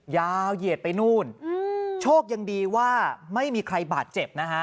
เหยียดไปนู่นโชคยังดีว่าไม่มีใครบาดเจ็บนะฮะ